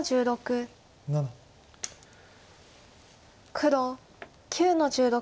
黒９の十六。